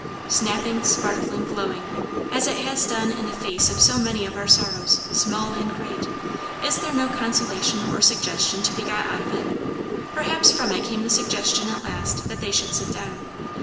Snapping, sparkling, glowing, as it has done in the face of so many of our sorrows, small and great, is there no consolation or suggestion to be got out of it? Perhaps from it came the suggestion at last that they should sit down.